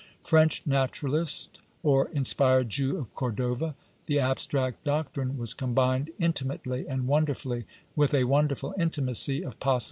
French naturalist or inspired Jew of Cordova, the abstract doctrine was combined intimately and wonderfully with a wonderful intimacy of possible 1 Libres Meditations, pp.